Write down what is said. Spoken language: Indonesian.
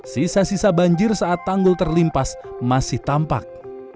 sisa sisa banjir saat tanggul terlimpas masih tampak